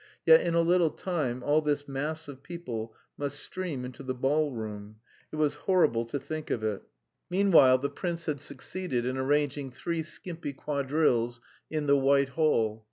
Yet in a little time all this mass of people must stream into the ballroom. It was horrible to think of it! Meanwhile the prince had succeeded in arranging three skimpy quadrilles in the White Hall.